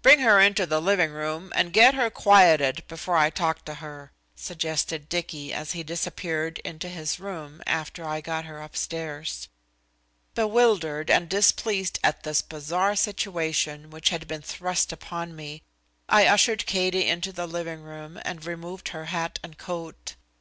"Bring her into the living room and get her quieted before I talk to her," suggested Dicky, as he disappeared into his room after I had got her upstairs. Bewildered and displeased at this bizarre situation which had been thrust upon me, I ushered Katie into the living room and removed her hat and coat.